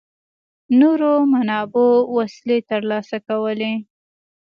نورو منابعو وسلې ترلاسه کولې.